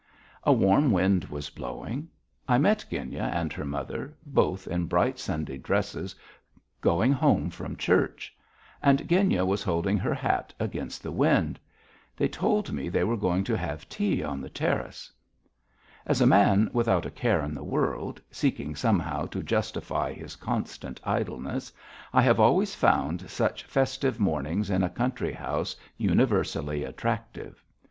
A warm wind was blowing. I met Genya and her mother, both in bright Sunday dresses, going home from church, and Genya was holding her hat against the wind. They told me they were going to have tea on the terrace. As a man without a care in the world, seeking somehow to justify his constant idleness, I have always found such festive mornings in a country house universally attractive.